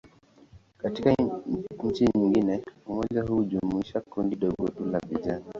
Katika nchi nyingine, umoja huu hujumuisha kundi dogo tu la vijana.